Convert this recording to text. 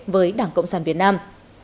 với đảng cộng sản việt nam